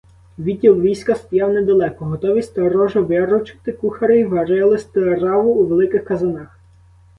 Відділ війська стояв недалеко, готовий сторожу виручити; кухарі варили страву у великих казанах.